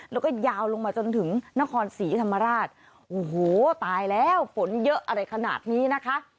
แล้วก็ยาวลงมาจนถึงนครศรีธรรมราชโอ้โหตายแล้วฝนเยอะอะไรขนาดนี้นะคะ